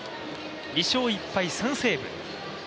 １勝１敗、３セーブ。